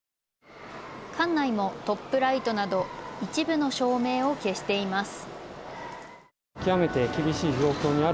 館内もトップライトなど、一部の照明を消しています。